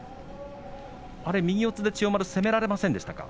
右四つで千代丸は攻められませんでしたか。